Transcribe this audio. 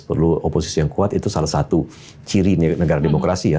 perlu oposisi yang kuat itu salah satu ciri negara demokrasi ya